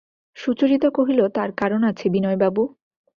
সুচরিতা কহিল, তার কারণ আছে বিনয়বাবু!